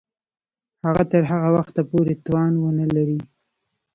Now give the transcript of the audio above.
هغه تر هغه وخته پوري توان ونه لري.